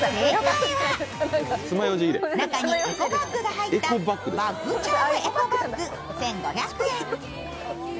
中にエコバッグが入ったバッグチャームエコバッグ１５００円。